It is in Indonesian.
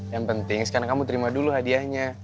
yang penting sekarang kamu terima dulu hadiahnya